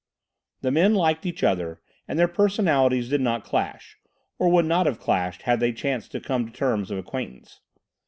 The men liked each other and their personalities did not clash, or would not have clashed had they chanced to come to terms of acquaintance.